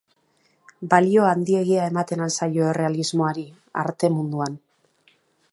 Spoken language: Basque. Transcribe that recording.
Balio handiegia ematen al zaio errealismoari arte munduan?